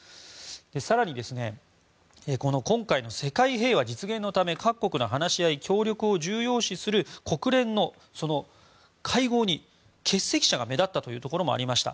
更に、今回の世界平和実現のため各国の話し合い協力を重要視する国連の会合に欠席者が目立ったというところもありました。